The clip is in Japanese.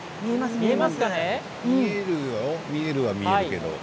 見えるは見えるけど。